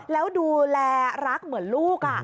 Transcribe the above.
แล้วดูแลรักเหมือนลูก